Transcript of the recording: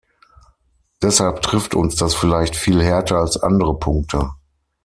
Deshalb trifft uns das vielleicht viel härter als andere Punkte.